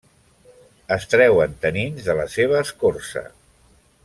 Es treuen tanins de la seva escorça.